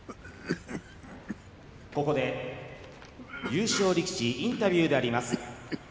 ここで優勝力士インタビューであります。